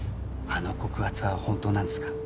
あの告発は本当なんですか？